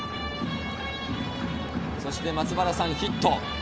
そして松原さんヒット。